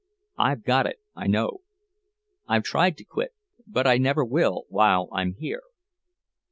I've got it, I know; I've tried to quit, but I never will while I'm here."